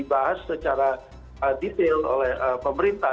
dibahas secara detail oleh pemerintah